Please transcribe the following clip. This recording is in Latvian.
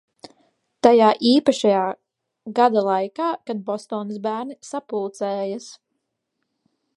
Tajā īpašajā gada laikā, kad Bostonas bērni sapulcējas.